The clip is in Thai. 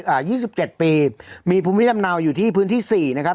ยี่สิบเจ็ดปีมีภูมิลำเนาอยู่ที่พื้นที่สี่นะครับ